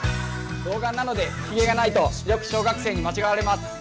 小柄なのでひげがないとよく小学生と間違われます。